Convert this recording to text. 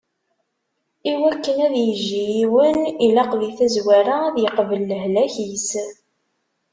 Iwakken ad yejji yiwen, ilaq di tazwara ad yeqbel lehlak-is.